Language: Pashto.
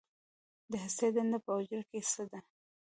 د هستې دنده په حجره کې څه ده